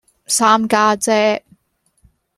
三家姐